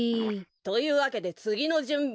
というわけでつぎのじゅんびだ。